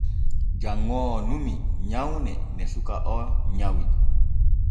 Janŋoowo numi nyawne ne suka o nyawi.